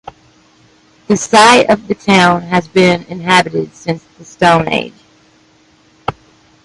The site of the town has been inhabited since the Stone Age.